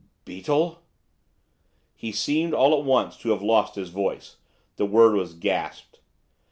'Beetle!' He seemed, all at once, to have lost his voice, the word was gasped.